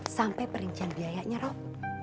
sampai perincian biayanya rob